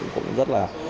cũng rất là